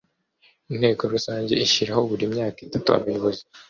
Inteko Rusange ishyiraho buri myaka itatu abayobozi